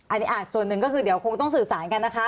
อันนี้อ่ะส่วนหนึ่งของคงต้องสื่อสารกันนะคะ